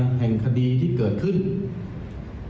ผู้บังคับการตำรวจบูธรจังหวัดเพชรบูนบอกว่าจากการสอบสวนนะครับ